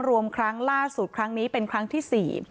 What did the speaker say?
รวมครั้งล่าสุดครั้งนี้เป็นครั้งที่๔